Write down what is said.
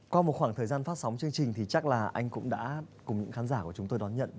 qua một khoảng thời gian phát sóng chương trình thì chắc là anh cũng đã cùng những khán giả của chúng tôi đón nhận